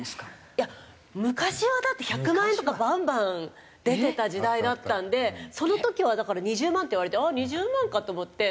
いや昔はだって１００万円とかバンバン出てた時代だったんでその時はだから２０万って言われてああ２０万かと思って。